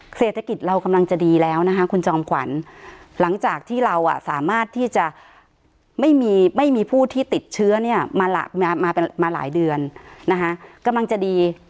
เศรษฐกิจเรากำลังจะดีแล้วนะคะคุณจอมขวัญหลังจากที่เราสามารถที่จะไม่มีไม่มีผู้ที่ติดเชื้อเนี่ยมาหลายเดือนนะคะกำลังจะดี